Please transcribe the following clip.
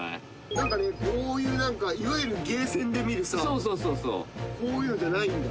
何かねこういう何かいわゆるゲーセンで見るさこういうのじゃないんだ？